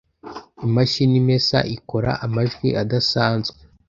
Imashini imesa ikora amajwi adasanzwe.